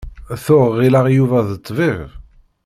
Tuɣ ɣilleɣ Yuba d ṭṭbib.